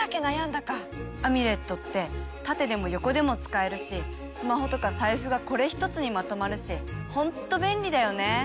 アミュレットって縦でも横でも使えるしスマホとか財布がこれ一つにまとまるしホント便利だよね！